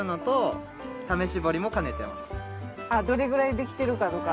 どれくらい出来てるかとか？